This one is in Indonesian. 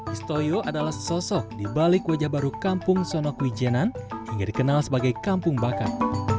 istoyo adalah sesosok di balik wajah baru kampung sonok wijenan hingga dikenal sebagai kampung bakar